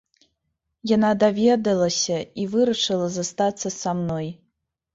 Яна даведалася і вырашыла застацца са мной.